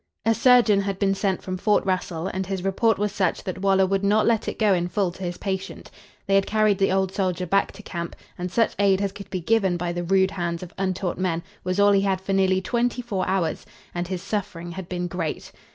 A surgeon had been sent from Fort Russell, and his report was such that Waller would not let it go in full to his patient. They had carried the old soldier back to camp, and such aid as could be given by the rude hands of untaught men was all he had for nearly twenty four hours, and his suffering had been great.